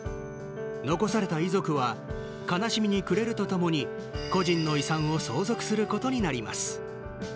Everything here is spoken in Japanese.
遺された遺族は悲しみに暮れるとともに故人の遺産を相続することになります。